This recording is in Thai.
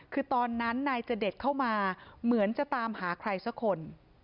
คือตอนนั้นนายเจดเข้ามาเหมือนจะตามหาใครสักคน